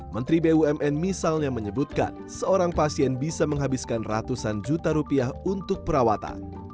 menteri bumn misalnya menyebutkan seorang pasien bisa menghabiskan ratusan juta rupiah untuk perawatan